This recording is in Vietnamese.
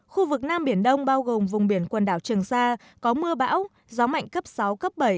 khu vực nam biển đông bao gồm vùng biển quần đảo trường sa có mưa bão gió mạnh cấp sáu cấp bảy